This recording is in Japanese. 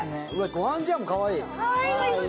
ご飯茶わんもかわいい。